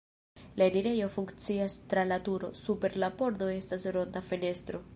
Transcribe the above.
La enirejo funkcias tra la turo, super la pordo estas ronda fenestro.